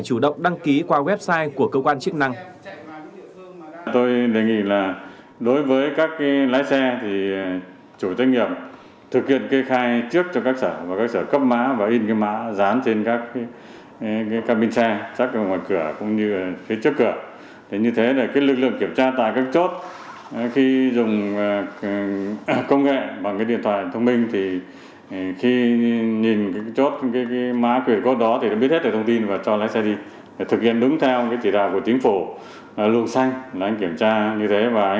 các doanh nghiệp cũng cần phải chủ động đăng ký qua website của cơ quan chức năng